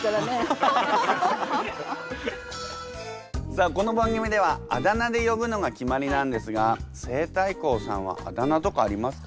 さあこの番組ではあだ名でよぶのが決まりなんですが西太后さんはあだ名とかありますか？